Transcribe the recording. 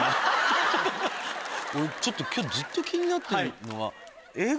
俺ちょっと今日ずっと気になってるのが。